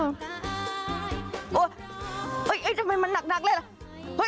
ไม่ทำไมมันนักนักเลยเหรอ